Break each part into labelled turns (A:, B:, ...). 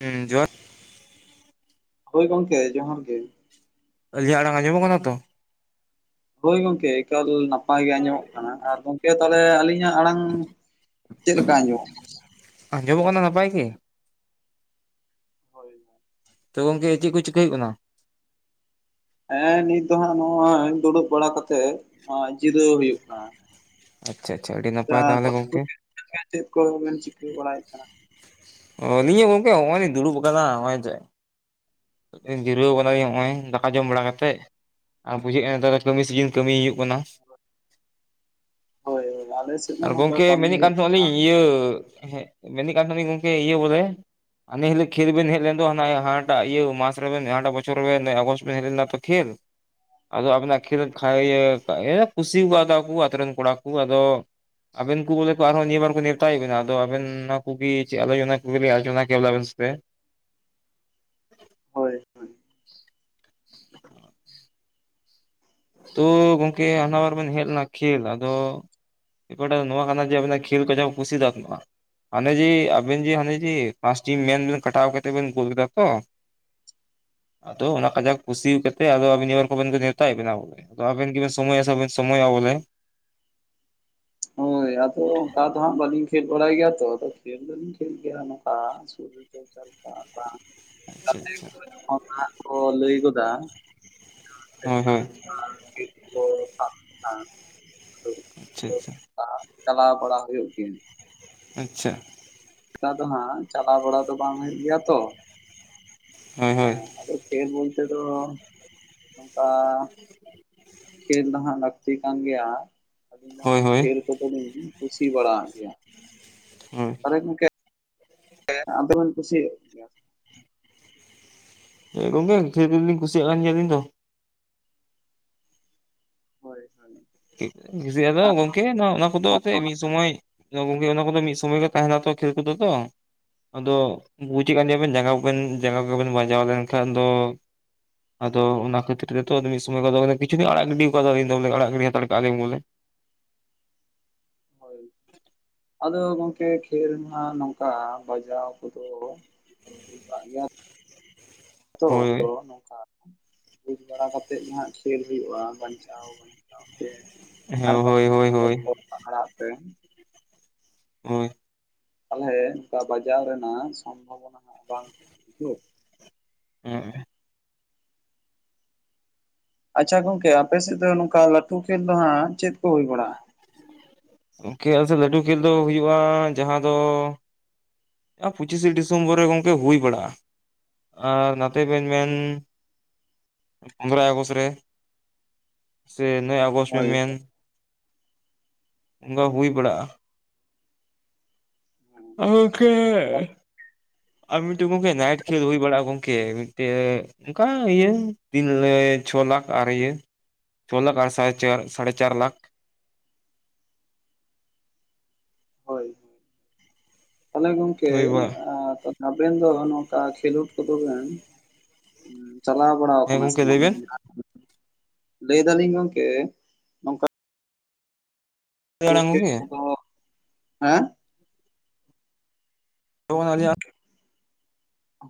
A: ᱩᱸ ᱡᱚᱦᱟᱨ
B: ᱦᱳᱭ ᱜᱚᱝᱠᱮ ᱡᱚᱦᱟᱨ ᱜᱮ᱾
A: ᱟᱹᱞᱤᱧᱟᱜ ᱟᱲᱟᱝ ᱟᱸᱡᱚᱢᱚᱜ ᱠᱟᱱᱟ ᱛᱚ?
B: ᱦᱳᱭ ᱜᱚᱝᱠᱮ ᱮᱠᱟᱞ ᱱᱟᱯᱟᱭ ᱜᱮ ᱟᱸᱡᱚᱢᱚᱜ ᱠᱟᱱᱟ, ᱟᱨ ᱜᱚᱝᱠᱮ ᱛᱟᱦᱞᱮ ᱟᱹᱞᱤᱧᱟᱜ ᱟᱲᱟᱝ ᱪᱮᱫ ᱞᱮᱠᱟ ᱟᱸᱡᱚᱢᱚᱜ?
A: ᱟᱸᱡᱚᱢᱚᱜ ᱠᱟᱱᱟ ᱱᱟᱯᱟᱭ ᱜᱤ᱾
B: ᱦᱳᱭ
A: ᱛᱚ ᱜᱚᱝᱠᱮ ᱪᱮᱜ ᱠᱩ ᱪᱤᱠᱟᱹ ᱦᱩᱭᱩᱜ ᱠᱟᱱᱟ?
B: ᱦᱮᱸ ᱱᱤᱛ ᱫᱚ ᱦᱟᱸᱜ ᱱᱚᱣᱟ ᱫᱩᱲᱩᱵ ᱵᱟᱲᱟ ᱠᱟᱛᱮᱜ ᱦᱚᱸ ᱡᱤᱨᱟᱹᱣ ᱦᱩᱭᱩᱜ ᱠᱟᱱᱟ᱾
A: ᱟᱪᱪᱷᱟ ᱟᱪᱪᱷᱟ ᱟᱹᱰᱤ ᱱᱟ
B: ᱡᱟᱸ [inaudible] ᱪᱮᱫ ᱠᱚᱨᱮ ᱵᱮᱱ ᱪᱤᱠᱟᱹ ᱵᱟᱲᱟᱭᱮᱜ ᱠᱟᱱᱟ?
A: ᱚ ᱟᱞᱤᱧ ᱦᱚᱸ ᱜᱚᱝᱠᱮ ᱦᱚᱸᱜᱼᱚᱭ ᱫᱷᱩᱲᱩᱵ ᱠᱟᱱᱟ ᱦᱚᱸᱜᱼᱚᱭ ᱪᱮᱜ ᱡᱤᱨᱟᱹᱣ ᱠᱟᱱᱟᱞᱤᱧ ᱦᱚᱜᱼᱚᱭ ᱫᱟᱠᱟ ᱡᱚᱢ ᱵᱟᱲᱟ ᱠᱟᱛᱮᱜ᱾ ᱟ ᱵᱩᱡᱷᱟᱹᱜ ᱠᱟᱱ ᱱᱮᱛᱟᱨ ᱫᱚ ᱠᱟᱹᱢᱤ ᱥᱤᱡᱤᱱ ᱠᱟᱹᱢᱤ ᱦᱩᱭᱩᱜ ᱠᱟᱱᱟ᱾
B: [inaudible] ᱦᱳᱭ ᱦᱳᱭ ᱟᱞᱮ ᱥᱮᱫ ᱦᱚᱸ
A: ᱟᱨ
B: ᱱᱚᱝᱠᱟ
A: ᱜᱚᱝᱠᱮ
B: ᱠᱟᱹᱢᱤ
A: ᱢᱮᱱᱮᱜ ᱠᱟᱱ
B: ᱦᱩᱭᱩᱜ ᱠᱟᱱᱟ
A: ᱛᱟᱦᱮᱱᱟᱞᱤᱧ ᱤᱭᱟᱹ ᱦᱮᱸᱜ ᱢᱮᱱᱮᱜ ᱠᱟᱱ ᱛᱟᱦᱮᱱᱤᱧ ᱜᱚᱝᱠᱮ ᱤᱭᱟᱹ ᱵᱚᱞᱮ ᱦᱟᱱᱮ ᱦᱤᱞᱟᱹᱜ ᱠᱷᱮᱞ ᱵᱮᱱ ᱦᱮᱜ ᱞᱮᱱ ᱫᱚ ᱦᱟᱱᱟ ᱟ ᱦᱟᱱᱟᱴᱟᱜ ᱤᱭᱟᱹ ᱢᱟᱥ ᱨᱮᱵᱮᱱ ᱦᱟᱴᱟᱜ ᱵᱚᱪᱷᱚᱨ ᱨᱮᱣᱮᱱ ᱚᱜᱚᱥᱴ [inaudible] ᱦᱮᱜ ᱞᱮᱱᱟ ᱛᱚ ᱠᱷᱮᱞ ᱟᱫᱚ ᱟᱵᱮᱱᱟᱜ ᱠᱷᱮᱞ [inaudible] ᱠᱩᱥᱤ ᱠᱟᱣᱫᱟᱜᱼᱟ ᱠᱚ ᱟᱛᱳ ᱨᱮᱱ ᱠᱚᱲᱟ ᱠᱚ ᱟᱫᱚ ᱟᱵᱮᱱ ᱠᱚ ᱵᱚᱞᱮ ᱠᱚ ᱟᱨᱦᱚᱸ ᱱᱤᱭᱟᱹ ᱵᱟᱨ ᱠᱚ ᱱᱮᱣᱛᱟᱭᱮᱜ ᱵᱮᱱᱟ ᱟᱫᱚ ᱟᱵᱮᱱ ᱚᱱᱟ ᱠᱚᱜᱮ ᱟᱞᱳᱪᱚᱱᱟ ᱠᱚ [inaudible] ᱟᱞᱳᱪᱱᱟ ᱠᱮᱭᱟ ᱟᱵᱮᱱ ᱥᱚᱛᱮ᱾
B: ᱦᱳᱭ ᱦᱳᱭ
A: [inaudible] ᱛᱚ ᱜᱚᱝᱠᱮ ᱦᱟᱱᱟ ᱵᱟᱨ ᱵᱮᱱ ᱦᱮᱜ ᱞᱮᱱᱟ ᱠᱷᱮᱞ ᱟᱫᱚ ᱵᱮᱯᱟᱨᱴᱟᱜ ᱱᱚᱣᱟ ᱠᱟᱱᱟ ᱡᱮ ᱟᱵᱮᱱᱟᱜ ᱠᱷᱮᱞ ᱠᱟᱡᱟᱜ ᱠᱩᱥᱤ ᱫᱟᱜ ᱛᱟᱦᱮᱱᱟ᱾ ᱦᱟᱱᱮ ᱡᱮ ᱟᱵᱮᱱ ᱡᱮ ᱦᱟᱱᱮ ᱡᱮ ᱯᱟᱸᱥᱴᱤ ᱢᱮᱱ ᱵᱮᱱ ᱠᱟᱴᱟᱣ ᱠᱟᱛᱮᱜ ᱵᱮᱱ ᱜᱳᱞ ᱠᱮᱫᱟ ᱛᱚ᱾ ᱟᱫᱚ ᱚᱱᱟ ᱠᱟᱡᱟᱠ ᱠᱩᱥᱤ ᱠᱟᱛᱮᱜ ᱟᱫᱚ ᱟᱵᱤᱱ [unintelligible] ᱱᱮᱣᱛᱟᱭᱮᱜ ᱵᱮᱱᱟ ᱵᱚᱞᱮ᱾ ᱛᱚ ᱟᱵᱮᱱ ᱜᱮᱵᱮᱱ ᱥᱚᱢᱚᱭᱚᱜᱼᱟ ᱵᱟᱵᱮᱱ ᱥᱚᱢᱚᱭᱚᱜᱼᱟ ᱵᱚᱞᱮ᱾
B: ᱦᱳᱭ ᱟᱫᱚ ᱚᱝᱠᱟ ᱫᱚ ᱦᱟᱸᱜ ᱵᱟᱞᱤᱧ ᱠᱷᱮᱞ ᱵᱟᱲᱟᱭ ᱜᱮᱭᱟ ᱛᱚ ᱟᱫᱚ ᱠᱷᱮᱞ ᱫᱚᱞᱤᱧ ᱠᱷᱮᱞ ᱜᱮᱭᱟ ᱱᱚᱝᱠᱟ [inaudible]
A: ᱟᱪᱪᱷᱟ ᱟᱪᱪᱷᱟ ᱦᱳᱭ
B: ᱚᱱᱟ ᱠᱚ ᱞᱟᱹᱭ ᱜᱚᱫᱟ
A: ᱦᱳᱭ ᱦᱳᱭ
B: [inaudible]
A: ᱟᱪᱪᱷᱟ ᱟᱪᱪᱷᱟ
B: [inaudible] ᱪᱟᱞᱟᱣ ᱵᱟᱲᱟ ᱦᱩᱭᱩᱜ ᱜᱮᱭᱟ᱾
A: ᱟᱪᱪᱷᱟ
B: ᱱᱮᱛᱟᱨ ᱫᱚ ᱦᱟᱸᱜ ᱪᱟᱞᱟᱣ ᱵᱟᱲᱟ ᱫᱚ ᱵᱟᱝ ᱦᱩᱭᱩᱜ ᱜᱮᱭᱟ ᱛᱚ᱾
A: ᱦᱳᱭ ᱦᱳᱭ
B: ᱦᱮᱸ ᱟᱫᱚ ᱠᱷᱮᱞ ᱵᱚᱞᱛᱮ ᱫᱚ ᱠᱟ ᱠᱷᱹᱮᱞ ᱫᱚᱦᱟᱸᱜ ᱞᱟᱹᱠᱛᱤ ᱠᱟᱱ ᱜᱮᱭᱟ,
A: ᱦᱳᱭ
B: [inaudible]
A: ᱦᱳᱭ
B: ᱠᱷᱮᱞ ᱠᱚᱫᱚᱞᱤᱧ ᱠᱩᱥᱤ ᱵᱟᱲᱟᱣᱟᱜ ᱜᱮᱭᱟ᱾
A: ᱦᱳᱭ
B: ᱛᱟᱦᱞᱮ ᱜᱚᱝᱠᱮ ᱠᱷᱮᱞ [unintelligible] ᱠᱩᱥᱤᱭᱟᱜ ᱜᱮᱭᱟ
A: ᱦᱮᱸ ᱜᱚᱝᱠᱮ ᱠᱷᱮᱞ ᱠᱚᱫᱚ ᱞᱤᱧ ᱠᱩᱥᱤᱭᱟᱜ ᱠᱟᱱ ᱜᱮᱭᱟ ᱟᱞᱤᱧ ᱫᱚ᱾
B: ᱦᱳᱭ ᱦᱳᱭ᱾
A: ᱠᱩᱥᱤᱭᱟᱜᱼᱟ ᱟᱫᱚ ᱜᱚᱝᱠᱮ ᱱᱚᱣᱟ ᱚᱱᱟ ᱠᱚᱫᱚ ᱥᱮ ᱢᱤᱜ ᱥᱚᱢᱚᱭ᱾ ᱟᱫᱚ ᱜᱚᱝᱠᱮ ᱚᱱᱟ ᱠᱚᱫᱚ ᱢᱤᱫ ᱥᱚᱢᱚᱭ ᱜᱮ ᱛᱟᱦᱮᱱᱟ ᱛᱚ ᱠᱷᱮᱞ ᱠᱚᱫᱚ ᱛᱚ᱾ ᱟᱫᱚ ᱵᱩᱡᱮᱜ ᱠᱟᱱ ᱜᱮᱭᱟ ᱵᱮᱱ ᱡᱟᱸᱜᱟ ᱠᱚᱵᱮᱱ ᱡᱟᱸᱜᱟ ᱠᱚᱵᱮᱱ ᱵᱟᱡᱟᱣ ᱞᱮᱱᱠᱷᱟᱱ ᱫᱚ ᱟᱫᱚ ᱚᱱᱟ ᱠᱷᱟᱹᱛᱤᱨ ᱛᱮ ᱛᱚ ᱢᱤᱫ ᱥᱚᱢᱚᱭ ᱠᱚᱫᱚ ᱠᱤᱪᱷᱩ ᱫᱤᱧ ᱟᱲᱟᱜ ᱜᱤᱰᱤᱣ ᱠᱟᱫᱟᱞᱤᱧ ᱫᱚ ᱵᱚᱞᱮ ᱟᱲᱟᱜ ᱜᱤᱰᱤ ᱦᱟᱛᱟᱲ ᱠᱟᱜ ᱞᱤᱧ ᱵᱚᱞᱮ᱾
B: ᱦᱳᱭ᱾ ᱟᱫᱚ ᱜᱚᱝᱠᱮ ᱠᱷᱮᱞ ᱢᱟ ᱱᱚᱝᱠᱟ ᱵᱟᱡᱟᱣ ᱠᱚᱫᱚ ᱦᱳᱭ ᱵᱟᱲᱟᱜ ᱜᱮᱭᱟ᱾ ᱟᱫᱚ
A: ᱦᱳᱭ
B: ᱛᱚ ᱱᱚᱝᱠᱟ᱾ ᱵᱩᱡᱽ ᱵᱟᱲᱟ ᱠᱟᱛᱮᱫ ᱜᱮ ᱦᱟᱸᱜ ᱠᱷᱮᱞ ᱦᱩᱭᱩᱜᱼᱟ ᱵᱟᱧᱪᱟᱣ ᱵᱟᱧᱪᱣ ᱛᱮ᱾
A: ᱦᱮᱸ
B: ᱟᱨ
A: ᱦᱳᱭ
B: ᱵᱟᱝ
A: ᱦᱳᱭ ᱦᱳᱭ
B: [inaudible] ᱟᱠᱷᱲᱟ ᱛᱮ᱾
A: ᱦᱳᱭ᱾
B: ᱛᱟᱞᱦᱮ ᱱᱚᱝᱠᱟ ᱵᱟᱡᱟᱣ ᱨᱮᱱᱟᱜ ᱥᱚᱢᱵᱷᱚᱵᱚᱱᱟ ᱦᱟᱸᱜ ᱵᱟᱝ ᱛᱟᱦᱮᱱᱟ ᱵᱩᱡᱷᱟᱹ᱾
A: ᱦᱮᱸ᱾
B: ᱟᱪᱪᱷᱟ ᱜᱚᱝᱠᱮ ᱟᱯᱮ ᱥᱮᱫ ᱫᱚ ᱱᱚᱝᱠᱟ ᱞᱟᱹᱴᱷᱩ ᱠᱷᱮᱞ ᱫᱚ ᱦᱟᱸᱜ ᱪᱮᱫ ᱠᱚ ᱦᱩᱭ ᱵᱟᱲᱟᱜᱼᱟ?
A: ᱜᱚᱝᱠᱮ ᱟᱞᱮ ᱥᱮᱫ ᱞᱟᱹᱴᱷᱩ ᱠᱷᱮᱞ ᱫᱚ ᱦᱩᱭᱩᱜᱼᱟ ᱡᱟᱦᱟᱸ ᱫᱚ ᱮᱼ ᱯᱚᱸᱪᱤᱥᱮ ᱰᱤᱥᱮᱢᱵᱚᱨ ᱨᱮ ᱜᱚᱝᱠᱮ ᱦᱩᱭ ᱵᱟᱲᱟᱜᱼᱟ᱾ ᱟᱨ ᱱᱟᱛᱮ ᱵᱮᱱ ᱢᱮᱱ ᱟᱨ ᱯᱚᱱᱮᱨᱚᱭ ᱟᱜᱚᱥᱴ ᱨᱮ᱾ ᱥᱮ ᱱᱚᱭ ᱟᱜᱚᱥᱴ ᱵᱮᱱ
B: ᱦᱳᱭ
A: ᱢᱮᱱ,
B: ᱦᱳᱭ
A: ᱚᱱᱠᱟ ᱦᱩᱭ ᱵᱟᱲᱟᱜᱼᱟ᱾ ᱟᱨ ᱜᱚᱝᱠᱮ ᱟᱨ ᱢᱤᱫᱴᱮᱡ ᱜᱚᱝᱠᱮ ᱱᱟᱭᱤᱴ ᱠᱷᱮᱞ ᱦᱩᱭ ᱵᱟᱲᱟᱜᱼᱟ ᱜᱚᱝᱠᱮ ᱢᱤᱫᱴᱮᱡ ᱚᱱᱠᱟ ᱤᱭᱟᱹ ᱛᱤᱱ ᱞᱮ ᱪᱷᱚ ᱞᱟᱠᱷ ᱟᱨ ᱤᱭᱟᱹ ᱪᱷᱚ ᱞᱟᱠᱷ ᱟᱨ ᱥᱟᱲᱮ ᱪᱟᱨ ᱥᱟᱲᱮ ᱪᱟᱨ ᱞᱟᱠᱷ᱾
B: ᱛᱟᱞᱦᱮ ᱜᱚᱝᱠᱮ
A: ᱦᱩᱭ ᱵᱟᱲᱟᱜ
B: ᱟᱨ ᱛᱚ ᱟᱵᱮᱱ ᱫᱚ ᱱᱚᱝᱠᱟ ᱠᱷᱮᱞᱳᱰ ᱠᱚᱫᱚ ᱵᱮᱱ ᱩᱸ ᱪᱟᱞᱟᱣ ᱵᱟᱲᱟᱣ
A: ᱦᱮᱸ
B: ᱠᱟᱱᱟ ᱥᱮ
A: ᱜᱚᱝᱠᱮ ᱞᱟᱹᱭ
B: ᱵᱟᱝ?
A: ᱵᱮᱱ
B: ᱞᱟᱹᱭ ᱫᱟᱞᱤᱧ ᱜᱚᱝᱠᱮ ᱵᱚᱞ
A: ᱟᱲᱟᱝ
B: ᱠᱷᱮᱞ
A: ᱜᱚᱝᱠᱮ
B: ᱠᱚᱫᱚ, ᱦᱮᱸ?
A: ᱟᱸᱡᱚᱢᱚᱜ ᱠᱟᱱᱟ ᱫᱞᱤᱧᱟᱜ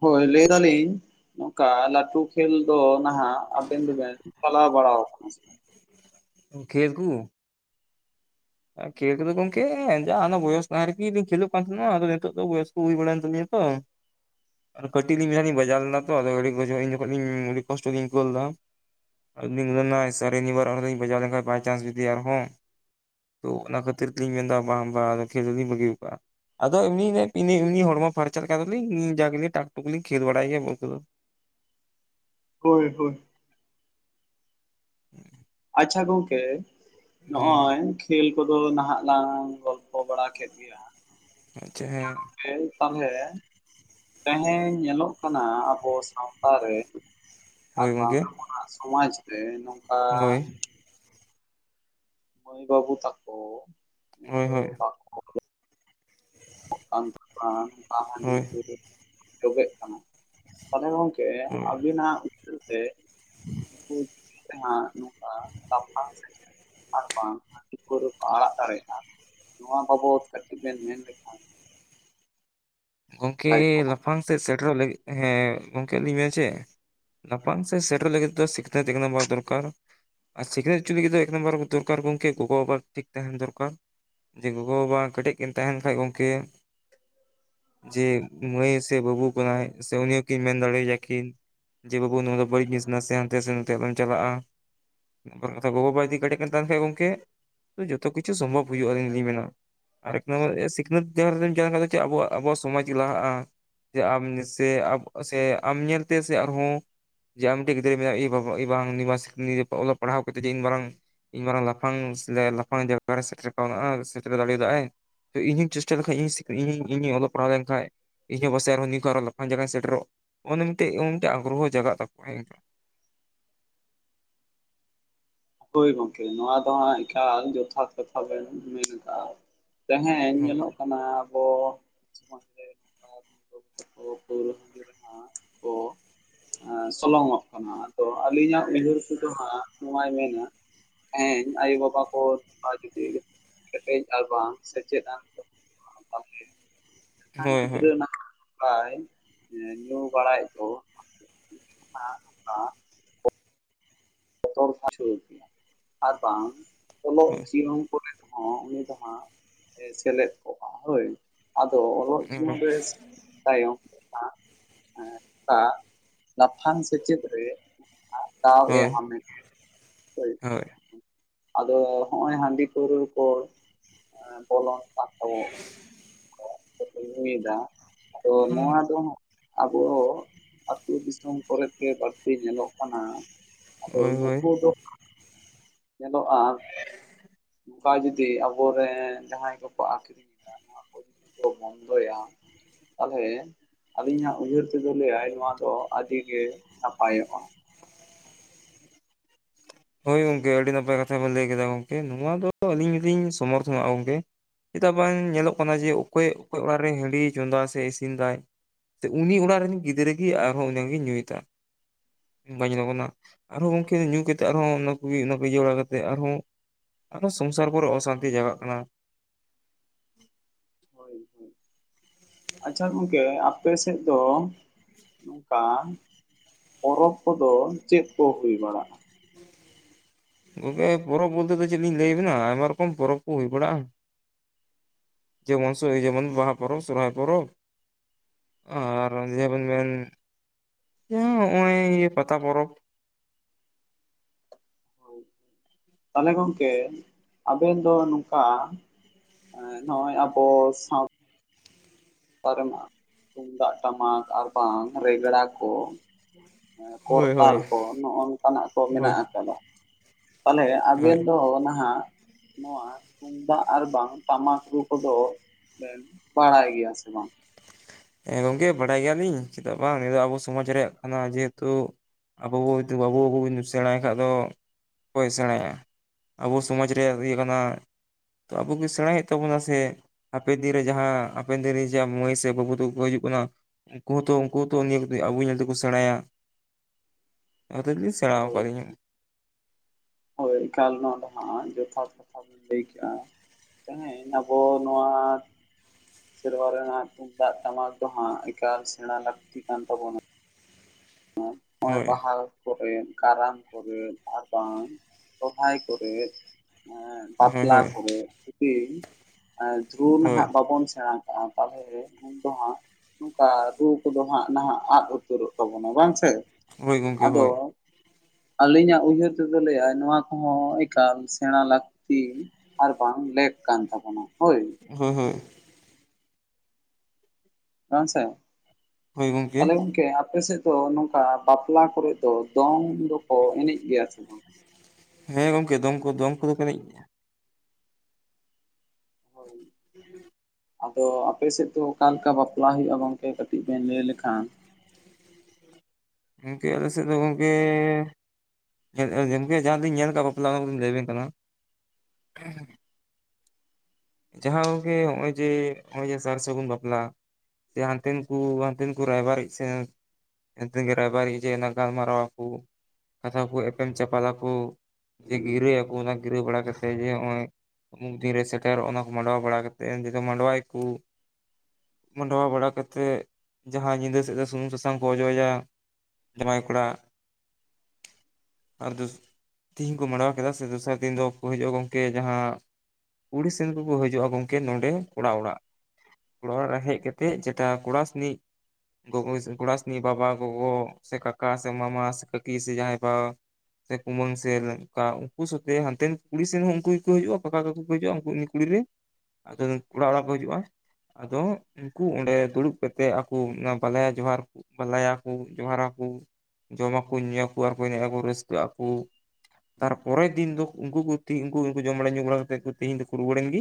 B: ᱦᱳᱭ ᱞᱟᱹᱭ ᱫᱟᱞᱤᱧ ᱱᱚᱝᱠᱟ ᱞᱟᱹᱴᱷᱩ ᱠᱷᱮᱞ ᱫᱚ ᱱᱟᱦᱟᱜ ᱟᱵᱮᱱ ᱫᱚᱵᱮᱱ ᱯᱟᱞᱟᱣ ᱵᱟᱲᱟᱣ ᱠᱟᱱᱟ ᱥᱮ ᱵᱟᱝ?
A: ᱠᱷᱮᱞ ᱠᱩ? ᱠᱷᱮᱞ ᱠᱚᱫᱚ ᱜᱚᱝᱠᱮ ᱡᱟ ᱚᱱᱟ ᱵᱚᱭᱚᱥ ᱛᱟᱸᱦᱮ ᱨᱮᱜᱮ ᱞᱤᱧ ᱠᱷᱮᱞᱳᱜ ᱠᱟᱱ ᱛᱟᱦᱮᱱᱟ ᱟᱫᱚ ᱱᱤᱛᱚᱜ ᱫᱚ ᱵᱚᱭᱚᱥ ᱠᱚ ᱦᱩᱭ ᱵᱟᱲᱟᱭᱮᱱ ᱛᱟᱹᱞᱤᱧᱟ ᱛᱚ
B: [inaudible]
A: ᱟᱨ ᱠᱟᱹᱴᱤᱡ ᱞᱤᱧ ᱢᱤᱫᱷᱟᱣ ᱞᱤᱧ ᱵᱟᱡᱟᱣ ᱞᱮᱱᱟ ᱛᱚ ᱟᱫᱚ ᱟᱹᱰᱤ ᱜᱚᱡᱚᱜᱼᱤᱧ ᱩᱱ ᱡᱚᱠᱷᱚᱡ ᱞᱤᱧ ᱟᱹᱰᱤ ᱠᱚᱥᱴᱚ ᱞᱤᱧ ᱟᱹᱭᱠᱟᱣ ᱞᱮᱫᱟ᱾ [unintelligible] ᱥᱟᱨᱤ ᱱᱤᱭᱟ ᱵᱟᱨ ᱟᱨ ᱦᱚᱸ ᱞᱤᱧ ᱵᱟᱡᱟᱣ ᱞᱮᱝᱠᱷᱟᱡ ᱵᱟᱭ ᱪᱟᱱᱥ ᱡᱩᱫᱤ ᱟᱨᱦᱚᱸ ᱛᱚ ᱚᱱᱟ ᱠᱷᱟᱹᱛᱤᱨ ᱛᱮᱞᱤᱧ ᱢᱮᱱᱫᱟ ᱵᱟᱝ ᱵᱟᱝ ᱟᱫᱚ ᱠᱷᱮᱞ ᱫᱚᱞᱤᱧ ᱵᱟᱹᱜᱤᱣ ᱠᱟᱜᱼᱟ᱾ ᱟᱫᱚ ᱮᱢᱱᱤ ᱤᱱᱟᱹ ᱮᱢᱱᱤ ᱦᱚᱲᱢᱚ ᱯᱷᱟᱨᱪᱟ ᱞᱮᱠᱟ ᱫᱩᱞᱤᱧ ᱡᱟ ᱜᱮᱞᱤᱧ ᱴᱟᱠ ᱴᱩᱠ ᱞᱤᱧ ᱠᱷᱮᱞ ᱵᱟᱲᱟᱭ ᱜᱮᱭᱟ ᱵᱚᱞ ᱠᱚ ᱫᱚ᱾
B: ᱦᱳᱭ ᱦᱳᱭ᱾
A: [inaudible]
B: ᱟᱪᱪᱷᱟ ᱜᱚᱝᱠᱮ,
A: ᱦᱳᱭ
B: ᱱᱚᱜᱼᱚᱭ ᱠᱷᱮᱞ ᱠᱚᱫᱚ ᱱᱟᱦᱟᱜ ᱞᱟᱝ ᱜᱚᱞᱯᱷᱚ ᱵᱟᱲᱟ ᱠᱮᱫ ᱜᱮᱭᱟ᱾
A: ᱟᱪᱪᱷᱟ ᱦᱮᱸ᱾
B: ᱛᱟᱞᱦᱮ ᱛᱮᱦᱮᱧ ᱧᱮᱞᱚᱜ ᱠᱟᱱᱟ ᱟᱵᱚ ᱥᱟᱶᱛᱟ ᱨᱮ᱾ ᱟᱨ
A: ᱦᱳᱭ
B: ᱵᱟᱝ
A: ᱜᱚᱝᱠᱮ
B: ᱟᱵᱚᱱᱟᱜ ᱥᱚᱢᱟᱡᱽ ᱨᱮ ᱱᱚᱝᱠᱟ
A: ᱦᱳᱭ
B: ᱢᱟᱹᱭ ᱵᱟᱹᱵᱩ ᱛᱟᱠᱚ
A: ᱦᱳᱭ
B: ᱮᱱᱫᱚ
A: ᱦᱳᱭ
B: ᱵᱟᱝ ᱠᱚ [unintelligible] ᱦᱟᱺᱰᱤ ᱯᱟᱹᱣᱨᱟᱹ ᱧᱩ
A: ᱦᱳᱭ
B: ᱡᱚᱵᱮᱜ ᱠᱟᱱᱟ ᱾ ᱚᱱᱮ ᱜᱚᱝᱠᱮ
A: ᱦᱳᱭ
B: ᱟᱵᱤᱱᱟᱜ ᱦᱩᱫᱤᱥ ᱛᱮ [unintelligible] ᱡᱟᱦᱟ ᱱᱚᱝᱠᱟ ᱞᱟᱯᱷᱟᱝ ᱥᱮᱪᱮᱫ ᱨᱟᱵᱟᱝ ᱦᱟᱺᱲᱤ ᱯᱟᱹᱣᱨᱟᱹ ᱠᱚ ᱟᱲᱟᱜ ᱫᱟᱲᱮᱭᱟᱜᱼᱟ, ᱱᱚᱣᱟ ᱵᱟᱵᱚᱛ ᱠᱟᱹᱴᱤᱡ ᱵᱮᱱ ᱢᱮᱱ ᱞᱮᱠ
A: ᱜᱚᱝᱠᱮ
B: ᱱᱟᱯᱟᱭ
A: ᱞᱟᱯᱷᱟᱝ ᱥᱮᱫ ᱥᱮᱴᱮᱨᱚᱜ ᱞᱟᱹᱜᱤᱫ ᱛᱮᱜᱮ ᱜᱚᱝᱠᱮ [unintelligible] ᱞᱟᱯᱷᱟᱝ ᱥᱮᱫ ᱥᱮᱴᱮᱨ ᱞᱟᱹᱜᱤᱫ ᱫᱚ ᱥᱤᱠᱷᱱᱟᱹᱛ ᱮᱠᱫᱚᱢ ᱫᱚᱨᱠᱟᱨ ᱟᱨ ᱥᱤᱠᱷᱱᱟᱹᱛ [unintelligible] ᱮᱠ ᱱᱟᱢᱵᱟᱨ ᱫᱚᱨᱠᱟᱨ ᱜᱚᱢᱠᱮ ᱜᱚᱜᱚ-ᱵᱟᱵᱟ ᱴᱷᱤᱠ ᱛᱟᱦᱮᱸᱱ ᱫᱚᱨᱠᱟᱨ᱾ ᱡᱮ ᱜᱚᱜᱚᱼᱵᱟᱵᱟ ᱠᱟᱹᱴᱤᱡ ᱠᱤᱱ ᱛᱟᱦᱮᱸᱱ ᱠᱷᱟᱱ ᱜᱚᱝᱠᱮ ᱡᱮ ᱢᱟᱹᱭ ᱥᱮ ᱵᱟᱹᱵᱩ ᱠᱟᱱᱟᱭ ᱥᱮ ᱩᱱᱤ ᱦᱚᱸᱠᱤᱱ ᱢᱮᱱ ᱫᱟᱲᱮᱭᱟ ᱠᱤᱱ᱾ ᱡᱮ ᱵᱟᱹᱵᱩ ᱱᱚᱣᱟ ᱫᱚ ᱵᱟᱹᱲᱤᱡ ᱡᱤᱱᱤᱥ ᱠᱟᱱᱟ ᱥᱮ, ᱦᱟᱱᱛᱮ ᱥᱮ ᱱᱚᱛᱮ ᱟᱞᱚᱢ ᱪᱟᱞᱟᱜᱼᱟ᱾ ᱱᱚᱝᱠᱟᱱᱟᱜ ᱠᱟᱛᱷᱟ ᱜᱚᱜᱚ ᱵᱟᱵᱟ ᱡᱩᱫᱤ ᱠᱮᱴᱮᱡ ᱠᱤᱱ ᱛᱟᱱ ᱠᱷᱟᱡ ᱜᱚᱝᱠᱮ ᱡᱚᱛᱚ ᱠᱤᱪᱷᱩ ᱥᱚᱢᱵᱷᱚᱵ ᱦᱩᱭᱩᱜᱼᱟ ᱟᱹᱞᱤᱧ ᱫᱚᱞᱤᱧ ᱢᱮᱱᱟ ᱟᱨ ᱥᱤᱠᱷᱱᱟᱹᱛ ᱡᱟᱦᱟᱸ ᱞᱮ ᱠᱷᱟᱱ ᱫᱚ ᱪ ᱟᱵᱚᱣᱟᱜ ᱟᱵᱚᱣᱟᱜ ᱥᱚᱢᱟᱡᱽ ᱞᱟᱦᱟᱜᱼᱟ ᱡᱮ ᱟᱢ ᱥᱮ ᱟᱵ ᱥᱮ ᱟᱢ ᱧᱮᱞᱛᱮ ᱥᱮ ᱟᱨᱦᱚᱸ ᱡᱮ ᱟᱢᱴᱮᱱ ᱜᱤᱫᱽᱨᱟᱹ ᱢᱮᱱᱟ [unintelligible] ᱱᱮ ᱚᱞᱚᱜ ᱯᱟᱲᱦᱟᱣ ᱠᱟᱛᱮᱫ ᱤᱱ ᱢᱟᱨᱟᱝ, ᱤᱱ ᱢᱟᱨᱟᱝ ᱞᱟᱯᱷᱟᱝ ᱥᱮ, ᱞᱟᱯᱷᱟᱝ ᱡᱟᱭᱜᱟ ᱨᱮ ᱥᱮᱴᱮᱨ ᱠᱟ [unintelligible] ᱥᱮᱴᱮᱨ ᱫᱟᱲᱮᱭᱟᱫᱟᱭ᱾ ᱛᱚ ᱤᱧᱦᱤᱧ ᱪᱮᱥᱴᱟ ᱞᱮᱠᱷᱟᱡ [unintelligible] ᱤᱧᱦᱤᱧ ᱞᱚᱜᱚ ᱡᱯᱲᱟᱣ ᱞᱮᱱᱠᱷᱟᱱ ᱤᱧᱦᱚᱸ ᱯᱟᱥᱮᱡ ᱟᱨᱦᱚᱸ ᱱᱤᱭᱟᱹ ᱠᱷᱚᱡ ᱟᱨᱚ ᱞᱟᱯᱷᱟᱝ ᱡᱟᱭᱜᱟᱧ ᱥᱮᱴᱮᱨᱚᱜ᱾ ᱚᱱᱮ ᱢᱤᱫᱴᱮᱡ ᱩᱱᱤ ᱴᱮᱡ ᱟᱜᱽᱨᱚᱦᱚ ᱡᱟᱜᱟ ᱛᱟᱠᱚᱣᱟ᱾
B: ᱦᱳᱭ ᱜᱚᱢᱠᱮ ᱱᱚᱣᱟ ᱫᱚ ᱦᱟᱸᱜ ᱮᱠᱟᱞ ᱡᱚᱛᱷᱟᱛ ᱠᱟᱛᱷᱟ ᱵᱮᱱ ᱢᱤᱞ ᱠᱟᱜᱼᱟ᱾ [unintelligible]
A: ᱦᱳᱭ
B: ᱧᱮᱞᱚᱜ ᱠᱟᱱᱟ ᱟᱵᱚ ᱥᱚᱢᱟᱡᱽ ᱨᱮ [unintelligible] [unintelligible] ᱥᱚᱞᱚᱝᱼᱚᱜ ᱠᱟᱱᱟ, ᱟᱫᱚ ᱟᱹᱞᱤᱧᱟᱜ ᱩᱭᱦᱟᱹᱨ ᱠᱚᱫᱚ ᱦᱟᱸᱜ, ᱱᱚᱣᱟᱭ ᱢᱮᱱ᱾ ᱱᱟᱸᱜ, ᱛᱮᱦᱮᱸᱧ ᱟᱭᱳ-ᱵᱟᱵᱟ ᱠᱚ [unintelligible] ᱠᱮᱴᱮᱡ ᱟᱨ ᱵᱟᱝ ᱥᱮᱪᱮᱫ ᱟᱱ [unintelligible] [unintelligible]
A: ᱦᱳᱭ ᱦᱳᱭ
B: ᱜᱤᱫᱽᱨᱟᱹᱱᱟ ᱟᱭ ᱧᱩ ᱵᱟᱲᱟᱭ ᱮᱫ ᱠᱚ [unintelligible] [unintelligible] ᱟᱨ ᱵᱟᱝ ᱚᱞᱚᱜ ᱡᱤᱭᱚᱱ ᱠᱚᱨᱮᱫ ᱦᱚᱸ ᱩᱱᱤ ᱫᱚ ᱦᱟᱸᱜ, ᱮ ᱥᱮᱞᱮᱫ ᱠᱚᱜᱼᱟ, ᱦᱳᱭ᱾ ᱟᱫᱚ ᱚᱞᱚᱜ
A: ᱦᱳᱭ
B: ᱡᱤᱭᱚᱱ ᱨᱮ ᱛᱟᱭᱚᱢ ᱦᱟᱸᱜ ᱮᱸ ᱫᱟᱜ ᱞᱟᱯᱷᱟᱝ ᱥᱮᱪᱮᱫ ᱨᱮ ᱫᱟᱣ ᱮ ᱦᱟᱢᱮᱴ ᱾ ᱦᱳᱭ, ᱟᱫᱚ ᱦᱚᱸᱜᱼᱚᱭ ᱦᱟᱺᱰᱤ ᱯᱟᱹᱣᱨᱟᱹ ᱨᱮᱠᱚ [unintelligible] ᱫᱚ ᱱᱚᱣᱟ ᱫᱚ ᱟᱵᱚ ᱟᱹᱛᱩ ᱫᱤᱥᱚᱢ ᱠᱚᱨᱮᱫ ᱜᱮ ᱵᱟᱹᱲᱛᱤ ᱧᱮᱞᱚᱜ ᱠᱟᱱᱟ᱾ ᱟᱫᱚ
A: ᱦᱳᱭ
B: ᱱᱩᱠᱩ ᱫᱚ ᱧᱮᱞᱚᱜ-ᱟ ᱱᱚᱝᱠᱟ ᱡᱩᱫᱤ ᱟᱵᱚᱨᱮᱱ ᱡᱟᱦᱟᱸᱭ ᱠᱚᱠᱚ ᱟᱠᱷᱨᱤᱧ ᱠᱚᱣᱟ ᱱᱚᱣᱟ ᱠᱚ ᱡᱩᱫᱤ ᱠᱚ ᱵᱚᱱᱫᱚᱭᱟᱼᱼ ᱛᱟᱦᱞᱮ ᱟᱹᱞᱤᱧᱟᱜ ᱩᱭᱦᱟᱹᱨ ᱛᱮᱫᱚ ᱞᱟᱹᱭᱟᱭ ᱱᱚᱣᱟ ᱫᱚ ᱟᱹᱰᱤ ᱜᱮ ᱱᱟᱯᱟᱭᱚᱜᱼᱟ᱾
A: ᱦᱚᱭ ᱜᱚᱝᱠᱮ ᱟᱹᱰᱤ ᱱᱟᱯᱟᱭ ᱠᱟᱛᱷᱟ ᱵᱮᱱ ᱞᱟᱹᱭ ᱠᱮᱫᱟ ᱜᱚᱝᱠᱮ᱾ ᱱᱚᱣᱟ ᱫᱚ ᱟᱹᱞᱤᱧ ᱞᱤᱧ ᱥᱚᱢᱚᱨᱛᱷᱚᱱᱚᱜᱼᱟ ᱜᱚᱝᱠᱮ᱾ ᱪᱮᱫᱟᱜ ᱵᱟᱝ ᱧᱮᱞᱚᱜ ᱠᱟᱱᱟ ᱡᱮ ᱚᱠᱚᱭ, ᱚᱠᱚᱭ ᱚᱲᱟᱜ ᱨᱮ ᱦᱟᱺᱰᱤ ᱪᱚᱸᱫᱟ ᱥᱮ ᱤᱥᱤᱱ ᱫᱟᱭ ᱾ ᱩᱱᱤ ᱚᱲᱟᱜ ᱨᱮᱱ ᱜᱤᱫᱽᱨᱟᱹᱜ ᱜᱮ ᱟᱨᱦᱚᱸ ᱩᱱᱟᱹᱝᱮ ᱧᱩᱭ ᱫᱟ᱾ ᱵᱟᱝ ᱧᱮᱞᱚᱜ-ᱟ, ᱟᱨᱦᱚᱸ ᱜᱚᱝᱠᱮᱱ ᱧᱩ ᱠᱟᱛᱮᱫ ᱛᱮ ᱟᱨᱦᱚᱸ ᱚᱱᱟ ᱠᱚᱭᱮ ᱚᱱᱟ ᱠᱚ ᱤᱭᱟᱹ ᱵᱟᱲᱟ ᱠᱟᱛᱮ ᱟᱨᱦᱚᱸ ᱟᱨ ᱦᱚᱸ ᱥᱚᱝᱥᱟᱨ ᱯᱚᱨᱮ ᱚᱥᱟᱱᱛᱤ ᱡᱟᱜᱟᱜ ᱠᱟᱱᱟ᱾
B: ᱦᱚᱭ ᱦᱚᱭ, ᱟᱪᱪᱷᱟ ᱜᱚᱝᱠᱮ ᱟᱯᱮ ᱥᱮᱫ ᱫᱚ ᱱᱚᱝᱠᱟᱱ ᱯᱚᱨᱚᱵᱽ ᱠᱚᱫᱚ ᱪᱮᱫ ᱠᱚ ᱦᱩᱭ ᱵᱟᱲᱟᱜ-ᱟ?
A: ᱜᱚᱝᱠᱮ ᱯᱚᱨᱚᱵᱽ ᱵᱚᱞᱛᱮ ᱫᱚ ᱪᱮᱫ ᱞᱤᱧ ᱞᱟᱹᱭ ᱟᱵᱮᱱᱟ ᱟᱭᱢᱟ ᱨᱚᱠᱚᱢ ᱯᱚᱨᱚᱵᱽ ᱠᱚ ᱦᱩᱭ ᱵᱟᱲᱟᱜᱼᱟ ᱾ ᱡᱮᱢᱚᱱ ᱥᱚ ᱡᱮᱢᱚᱱ ᱵᱟᱦᱟ ᱯᱚᱨᱚᱵᱽ, ᱥᱚᱨᱦᱟᱭ ᱯᱚᱨᱚᱵᱽ ᱾ ᱟᱨ ᱡᱟᱦᱟᱸ ᱵᱮᱱ ᱢᱮᱱ ᱡᱟᱸᱦᱟ ᱦᱚᱜᱼᱚᱭ ᱤᱭᱟᱹ ᱯᱟᱛᱟ ᱯᱚᱨᱚᱵᱽ ᱾
B: ᱛᱟᱞᱦᱮ ᱜᱚᱝᱠᱮ ᱟᱵᱮᱱ ᱫᱚ ᱱᱚᱝᱠᱟ ᱮᱸ ᱱᱚᱜᱼᱚᱭ ᱟᱵᱚ ᱥᱟᱶ [unintelligible] ᱨᱮᱢᱟ [inaudible] ᱛᱩᱢᱫᱟᱜ ᱴᱟᱢᱟᱠ ᱟᱨᱵᱟᱝ ᱨᱮᱜᱽᱲᱟ ᱠᱚ
A: ᱦᱳᱭ ᱦᱳᱭ
B: ᱠᱚᱨᱛᱟᱞ ᱠᱚ ᱱᱚᱜᱼᱚ ᱱᱚᱝᱠᱟᱱᱟᱜ ᱠᱚ
A: ᱦᱳᱭ
B: ᱢᱮᱱᱟᱜ ᱟᱠᱟᱫᱟ ᱾ ᱛᱟᱞᱦᱮ ᱟᱵᱮᱱ
A: ᱦᱳᱭ
B: ᱫᱚ ᱱᱟᱦᱟᱜ ᱱᱚᱣᱟ ᱛᱩᱢᱫᱟᱜ ᱟᱨ ᱵᱟᱝ ᱴᱟᱢᱟᱠ ᱨᱩ ᱠᱚᱫᱚᱱ ᱵᱮᱱ ᱵᱟᱲᱟᱭ ᱜᱮᱭᱟ ᱥᱮ ᱵᱟᱝ?
A: ᱦᱮᱸ ᱜᱚᱝᱠᱮ ᱵᱟᱰᱟᱭ ᱜᱮᱭᱟᱞᱤᱧ ᱪᱮᱫᱟᱜ ᱵᱟᱝ ᱱᱤᱭᱟᱹ ᱫᱚ ᱟᱵᱚ ᱥᱚᱢᱟᱡᱽ ᱨᱮᱭᱟᱜ ᱠᱟᱱᱟ ᱡᱮᱦᱮᱛᱩ ᱟᱵᱚ ᱦᱚᱭᱛᱳ ᱵᱟᱹᱵᱩ ᱠᱚᱵᱤᱱ ᱥᱮᱬᱟᱭ ᱠᱷᱟᱡ ᱫᱚ ᱚᱠᱚᱭ ᱥᱮᱬᱟᱭᱟ ᱾ ᱟᱵᱚ ᱥᱚᱢᱟᱡᱽ ᱨᱮᱭᱟᱜ ᱤᱭᱟᱹ ᱠᱟᱱᱟ ᱛᱚ ᱟᱵᱚ ᱜᱮ ᱥᱮᱬᱟᱭ ᱦᱩᱭᱩᱜ ᱛᱟᱵᱚᱱᱟ ᱥᱮ, ᱦᱟᱯᱮᱱ ᱫᱤᱱ ᱨᱮ ᱡᱟᱦᱟᱸ ᱦᱟᱯᱮᱱ ᱫᱤᱱ ᱨᱮ ᱡᱮ ᱢᱟᱹᱭ ᱥᱮ ᱵᱟᱵᱩ ᱛᱟ ᱠᱚ ᱦᱤᱡᱩᱜ ᱠᱟᱱᱟ ᱩᱱᱠᱩ ᱦᱚᱸᱛᱚ ᱩᱱᱠᱩ ᱦᱚᱸᱛᱚ ᱱᱤᱭᱟᱹ ᱟᱵᱚ ᱧᱮᱞ ᱛᱮᱠᱚ ᱥᱮᱸᱬᱟᱭᱟ ᱾ [inaudible] ᱥᱮᱸᱬᱟ ᱟᱠᱟᱫ
B: ᱦᱳᱭ
A: ᱞᱤᱧᱟ ᱾
B: ᱦᱳᱭ ᱮᱠᱟᱞ ᱱᱚᱣᱟ ᱫᱚ ᱦᱟᱸᱜ ᱡᱚᱛᱷᱟᱛ ᱠᱟᱛᱷᱟ ᱵᱤᱱ ᱞᱟᱹᱭ ᱠᱮᱫᱼᱟ ᱾ ᱛᱮᱦᱮᱧ ᱟᱵᱚ ᱱᱚᱣᱟ ᱥᱮᱨᱣᱟ ᱨᱮᱱᱟᱜ ᱛᱩᱢᱫᱟᱜ ᱴᱟᱢᱟᱠ ᱫᱚ ᱦᱟᱸᱜ ᱮᱠᱟᱞ ᱥᱮᱬᱟ ᱞᱟᱹᱠᱛᱤ ᱠᱟᱱ ᱛᱟᱵᱚᱱᱟ ᱾ ᱱᱚᱸᱜ-ᱚᱭ
A: ᱦᱳᱭ
B: ᱵᱟᱦᱟ ᱠᱚᱨᱮ ᱠᱟᱨᱟᱢ ᱠᱚᱨᱮ ᱟᱨᱵᱟᱝ ᱥᱚᱨᱦᱟᱭ ᱠᱚᱨᱮ ᱮ
A: ᱦᱳᱭ
B: ᱵᱟᱯᱞᱟ
A: ᱦᱳᱭ
B: ᱠᱚᱨᱮ [unintelligible]
A: ᱦᱳᱭ
B: ᱱᱟᱦᱟᱜ ᱵᱟᱵᱚᱱ ᱥᱮᱸᱬᱟ ᱠᱟᱜᱼᱟ ᱛᱟᱦᱚᱞᱮ ᱩᱱ ᱫᱚ ᱦᱟᱸᱜ ᱱᱚᱝᱠᱟ ᱨᱩ ᱠᱚᱫᱚ ᱦᱟᱸᱜ ᱱᱟᱦᱟᱜ ᱟᱫ ᱩᱛᱟᱹᱨᱚᱜ ᱛᱟᱵᱚᱱᱟ ᱵᱟᱝ ᱥᱮ ᱾
A: ᱦᱳᱭ
B: [inaudible]
A: ᱜᱚᱢᱠᱮ
B: ᱟᱫᱚ
A: ᱦᱳᱭ
B: ᱟᱹᱞᱤᱧᱟᱜ ᱩᱭᱦᱟᱹᱨ ᱛᱮᱫᱚ ᱞᱟᱹᱭᱟᱭ ᱱᱚᱣᱟ ᱠᱚᱦᱚᱸ ᱮᱠᱟᱞ ᱥᱮᱬᱟ ᱞᱟᱹᱠᱛᱤ ᱾ ᱟᱨ ᱵᱟᱝ ᱞᱮᱠ ᱠᱟᱱ ᱛᱟᱵᱚᱱᱟ ᱦᱳᱭ ᱾
A: ᱦᱳᱭ ᱦᱳᱭ ᱾
B: ᱵᱟᱝ ᱥᱮ ᱾
A: ᱦᱳᱭ
B: [inaudible]
A: ᱜᱚᱢᱠᱮ
B: ᱛᱟᱦᱞᱮ ᱜᱚᱝᱠᱮ ᱟᱯᱮ ᱥᱮᱫ ᱫᱚ ᱱᱚᱝᱠᱟ ᱵᱟᱯᱞᱟ ᱠᱚᱨᱮ ᱫᱚ ᱫᱚᱝ ᱫᱚᱠᱚ ᱮᱱᱮᱡ ᱜᱮᱭᱟ ᱥᱮ ᱵᱟᱝ?
A: ᱦᱮᱸ ᱜᱚᱝᱠᱮ ᱫᱚᱝ ᱠᱚ ᱫᱚᱝ ᱠᱚᱫᱚ ᱠᱚ ᱮᱱᱮᱡ ᱜᱮᱭᱟ ᱾ [inaudible]
B: ᱟᱫᱚ ᱟᱯᱮᱥᱮᱫ ᱫᱚ ᱚᱠᱟ ᱞᱮᱠᱟ ᱵᱟᱯᱞᱟ ᱦᱩᱭᱩᱜᱼᱟ ᱜᱚᱝᱠᱮ ᱠᱟᱹᱴᱤᱡ ᱵᱮᱱ ᱞᱟᱹᱭ ᱞᱮᱠᱷᱟᱱ
A: ᱜᱚᱝᱠᱮ ᱟᱞᱮ ᱥᱮᱫ ᱫᱚ ᱜᱚᱝᱠᱮ ᱜᱚᱝᱠᱮ ᱡᱟᱦᱟᱸ ᱛᱤᱱᱟᱹᱜ ᱤᱧ ᱧᱮᱞ ᱠᱟᱜ ᱵᱟᱯᱞᱟ ᱚᱱᱟ ᱠᱚᱞᱤᱧ ᱞᱟᱹᱭ ᱟᱵᱮᱱ ᱠᱟᱱᱟ ᱾ ᱡᱟᱦᱟᱸ ᱜᱚᱝᱠᱮ ᱱᱚᱜᱼᱚᱭ ᱡᱮ ᱱᱚᱜᱼᱚᱭ ᱡᱮ ᱥᱟᱨ ᱥᱟᱹᱜᱩᱱ ᱵᱟᱯᱞᱟ ᱥᱮ ᱦᱟᱱᱛᱮᱱ ᱠᱚ ᱦᱟᱱᱛᱮᱱ ᱠᱚ ᱨᱟᱭᱵᱟᱨᱤᱡ ᱥᱮ ᱚᱱᱛᱮᱱ ᱜᱮ ᱨᱟᱭᱵᱟᱨᱤᱡ ᱡᱮ ᱜᱟᱞᱢᱟᱨᱟᱣ ᱟᱠᱚ ᱠᱟᱛᱷᱟ ᱠᱚ ᱮᱯᱮᱢ ᱪᱟᱯᱟᱞ ᱟᱠᱚ ᱾ ᱡᱮ ᱜᱤᱨᱟᱹᱭ ᱟᱠᱚ ᱚᱱᱟ ᱜᱤᱨᱟᱹ ᱵᱟᱲᱟ ᱠᱟᱛᱮ ᱜᱮ ᱦᱚᱸᱜ-ᱚᱭ ᱚᱢᱩᱠ ᱫᱤᱱ ᱨᱮ ᱥᱮ ᱴᱮᱨᱚᱜ ᱚᱱᱟ ᱠᱚ ᱢᱟᱰᱣᱟ ᱵᱟᱲᱟ ᱠᱟᱛᱮ ᱢᱟᱰᱣᱟᱭ ᱟᱠᱚ ᱾ ᱢᱟᱰᱣᱟ ᱵᱟᱲᱟ ᱠᱟᱛᱮᱫ ᱡᱟᱦᱟᱸ ᱧᱤᱫᱟᱹ ᱥᱮᱫ ᱫᱚ ᱥᱩᱱᱩᱢ ᱥᱟᱥᱟᱝ ᱠᱚ ᱚᱡᱚᱜ ᱟᱭᱟ ᱡᱟᱢᱟᱭ ᱠᱚᱲᱟ ᱾ [inaudible] ᱟᱫᱚ [inaudible] ᱛᱤᱦᱤᱧ ᱠᱚ ᱢᱟᱸᱰᱟᱣᱟ ᱠᱮᱫᱟ ᱥᱮ ᱫᱚᱥᱟᱨ ᱫᱤᱱ ᱫᱚᱠᱚ ᱦᱤᱡᱩᱜᱼᱟ ᱜᱚᱝᱠᱮ ᱡᱟᱦᱟᱸ ᱠᱩᱲᱤ ᱥᱮᱱ ᱠᱚᱠᱚ ᱦᱤᱡᱩᱜᱼᱟ ᱜᱚᱝᱠᱮ ᱱᱚᱰᱮ ᱠᱚᱲᱟᱜ ᱚᱲᱟᱜ᱾ ᱚᱲᱟᱜ ᱚᱲᱟᱜ ᱦᱮᱡ ᱠᱟᱛᱮᱫ ᱪᱮᱛᱟ ᱠᱚᱲᱟ ᱥᱮᱱᱤᱡ ᱜᱚᱜᱚ ᱥᱮ ᱠᱚᱲᱟ ᱥᱤᱱᱤ ᱵᱟᱵᱟ ᱜᱚᱜᱚ ᱥᱮ ᱠᱟᱠᱟ ᱥᱮ ᱢᱟᱢᱟ ᱥᱮ ᱠᱟᱠᱤ ᱥᱮ ᱡᱟᱦᱟᱸᱭ ᱵᱟ ᱥᱮ ᱠᱩᱢᱟᱹᱝ ᱥᱮᱞ ᱚᱱᱠᱟ ᱩᱱᱠᱩ ᱥᱟᱛᱮ ᱦᱟᱱᱛᱮᱱ ᱠᱩᱲᱤ ᱥᱮᱱ ᱦᱚᱸ ᱩᱱᱠᱩ ᱜᱮᱠᱚ ᱦᱤᱡᱩᱼᱟ ᱠᱟᱠᱟ ᱠᱟᱠᱩ ᱦᱤᱡᱩᱜᱼᱟ ᱩᱱᱠᱩ ᱩᱱᱤ ᱠᱩᱲᱤᱨᱮᱱ ᱟᱫᱚ ᱠᱚᱲᱟ ᱚᱲᱟᱜ ᱠᱚ ᱦᱤᱡᱩᱜᱼᱟ᱾ ᱟᱫᱚ ᱩᱱᱠᱩ ᱚᱸᱰᱮ ᱫᱩᱲᱩᱵ ᱠᱟᱛᱮᱜ ᱟᱠᱚ ᱚᱱᱟ ᱵᱟᱞᱟᱭᱟ ᱡᱚᱦᱟᱸᱨ ᱵᱟᱞᱟᱭᱟ ᱠᱚ ᱡᱚᱦᱟᱸᱨᱟᱠᱚ, ᱡᱚᱢ ᱟᱠᱚ ᱧᱩᱭ ᱟᱠᱚ ᱟᱨ ᱠᱚ ᱮᱱᱮᱡ ᱟᱠᱚ ᱨᱟᱹᱥᱠᱟᱹᱜ ᱟᱠᱚ᱾ ᱛᱟᱨᱯᱚᱨᱮᱨ ᱫᱤᱱ ᱫᱚ ᱩᱱᱠᱩ ᱠᱚ ᱛᱤ ᱩᱱᱠᱩ ᱩᱱᱠᱩ ᱡᱚᱢ ᱵᱟᱲᱟ ᱧᱩ ᱵᱟᱲᱟ ᱠᱟᱛᱮᱫ ᱛᱤᱦᱤᱧ ᱫᱚᱠᱚ ᱨᱩᱭᱟᱹᱲᱮᱱ ᱜᱮ,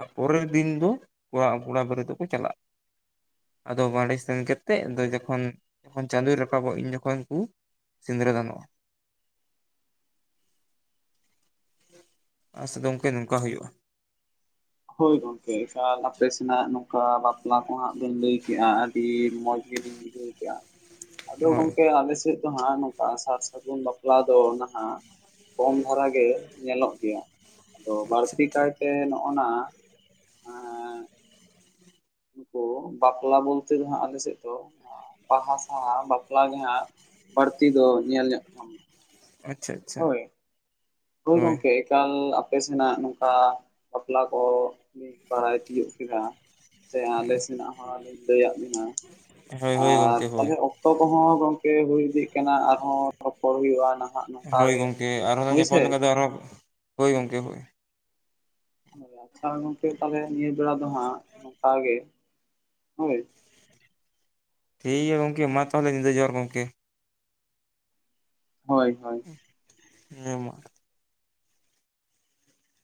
A: ᱟᱨ ᱯᱚᱨᱮᱨ ᱫᱤᱱ ᱫᱚ ᱠᱚᱲᱟ ᱠᱚᱲᱟ ᱵᱟᱹᱨᱮ ᱛᱮᱠᱚ ᱪᱟᱞᱟᱜᱼᱟ᱾ ᱟᱫᱚ ᱵᱟᱲᱮ ᱥᱮᱱ ᱠᱟᱛᱮᱜ ᱟᱫᱚ ᱡᱚᱠᱷᱚᱱ ᱡᱚᱠᱷᱚᱱ ᱪᱟᱸᱫᱚᱭ ᱨᱟᱠᱟᱵᱚᱜ ᱩᱱ ᱡᱚᱠᱷᱚᱱ ᱠᱚ ᱥᱤᱸᱫᱽᱨᱟᱹ ᱫᱟᱱᱚᱜᱼᱟ᱾
B: [inaudible]
A: ᱟᱞᱮ ᱥᱮᱫ ᱫᱚ ᱜᱚᱝᱠᱮ ᱱᱚᱝᱠᱟ ᱦᱩᱭᱩᱜ-ᱟ᱾
B: ᱦᱳᱭ ᱜᱚᱝᱠᱮ ᱮᱠᱟᱞ ᱟᱯᱮ ᱥᱮᱱᱟᱜ ᱱᱚᱝᱠᱟ ᱵᱟᱯᱞᱟ ᱠᱚ ᱦᱟᱸᱜ ᱵᱮᱱ ᱞᱟᱹᱭ ᱠᱮᱜ-ᱟ ᱟᱨ ᱟᱹᱰᱤ ᱢᱚᱸᱡᱽ ᱜᱮᱞᱤᱧ ᱵᱩᱡᱷᱟᱹᱣ ᱠᱮᱜ-ᱟ ᱟᱫᱚ
A: ᱦᱳᱭ
B: ᱜᱚᱝᱠᱮ ᱟᱞᱮ ᱥᱮᱫ ᱦᱚᱸᱜ-ᱚᱭ ᱱᱚᱝᱠᱟ ᱥᱟᱨ ᱥᱟᱹᱜᱩᱱ ᱵᱟᱯᱞᱟ ᱫᱚ ᱱᱟᱦᱟᱜ ᱠᱚᱢ ᱫᱷᱟᱨᱟ ᱜᱮ ᱧᱮᱞᱚᱜ ᱜᱮᱭᱟ, ᱟᱫᱚ
A: ᱟᱪᱪᱷᱟ
B: ᱵᱟᱹᱲᱛᱤ
A: ᱟᱪᱪᱷᱟ
B: ᱠᱟᱭᱛᱮ ᱱᱚᱜ-ᱱᱟ ᱱᱩᱠᱩ ᱵᱟᱯᱞᱟ ᱵᱚᱞᱛᱮ ᱫᱚ ᱦᱟᱸᱜ ᱟᱞᱮ ᱥᱮᱫ ᱫᱚ ᱵᱟᱦᱟ ᱥᱟᱣᱦᱟ ᱵᱟᱯᱞᱟ ᱜᱮ ᱦᱟᱸᱜ ᱵᱟᱹᱲᱛᱤ ᱫᱚ ᱧᱮᱞ ᱧᱚᱜ ᱧᱟᱢᱚᱜ ᱠᱟᱱᱟ᱾
A: ᱟᱪᱪᱷᱟ᱾ ᱟᱪᱪᱷᱟ
B: ᱦᱳᱭ᱾ ᱦᱳᱭ ᱜᱚᱝᱠᱮ ᱮᱠᱟᱞ ᱟᱯᱮ ᱥᱮᱱᱟᱜ ᱱᱚᱝᱠᱟ ᱵᱟᱯᱞᱟ ᱠᱚ ᱞᱤᱧ ᱵᱟᱲᱟᱭ ᱛᱤᱭᱳᱜ ᱠᱮᱫᱟ, ᱥᱮ ᱟᱞᱮ ᱥᱮᱱᱟᱜ ᱦᱚᱸ ᱞᱤᱧ ᱞᱟᱹᱭᱟᱫ ᱵᱮᱱᱟ᱾
A: ᱦᱳᱭ ᱦᱳᱭ ᱜᱚᱝᱠᱮ ᱦᱳᱭ᱾
B: ᱛᱟᱞᱦᱮ ᱚᱠᱛᱚ ᱠᱚᱦᱚᱸ ᱜᱚᱝᱠᱮ ᱦᱩᱭ ᱤᱫᱤᱜ ᱠᱟᱱᱟ ᱟᱨᱦᱚᱸ ᱨᱚᱯᱚᱲ ᱦᱩᱭᱩᱜ-ᱟ ᱱᱟ
A: ᱦᱳᱭ ᱜᱚᱝᱠᱮ ᱟᱨᱦᱚᱸ ᱞᱟᱝ ᱧᱟᱯᱟᱢ ᱞᱮᱠᱷᱟᱱ ᱫᱚ ᱟᱨᱦᱚᱸ ᱦᱳᱭ ᱜᱚᱝᱠᱮ ᱦᱳᱭ᱾
B: ᱦᱳᱭ ᱟᱪᱪᱷᱟ ᱜᱚᱝᱠᱮ ᱛᱟᱞᱦᱮ ᱱᱤᱭᱟᱹ ᱵᱮᱲᱟ ᱫᱚ ᱦᱟᱸᱜ ᱱᱚᱝᱠᱟ ᱜᱮ, ᱦᱳᱭ?
A: ᱴᱷᱤᱠ ᱜᱮᱭᱟ ᱜᱚᱝᱠᱮ ᱢᱟ ᱛᱟᱦᱚᱞᱮ ᱧᱤᱫᱟᱹ ᱡᱚᱦᱟᱨ ᱜᱚᱝᱠᱮ᱾
B: ᱦᱳᱭ ᱦᱳᱭ᱾
A: ᱦᱮᱸ ᱢᱟ᱾